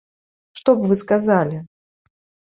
Што б вы сказалі?